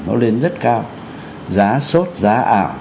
nó lên rất cao giá sốt giá ảo